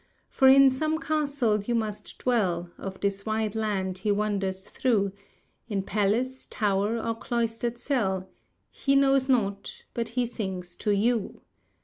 For in some castle you must dwell Of this wide land he wanders through— In palace, tower, or cloistered cell— He knows not; but he sings to you!